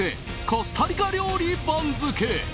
コスタリカ料理番付！